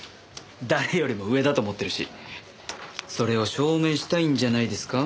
誰よりも上だと思ってるしそれを証明したいんじゃないですか？